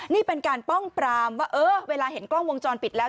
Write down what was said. นี่เป็นการป้องปรามว่าเออเวลาเห็นกล้องวงจรปิดแล้ว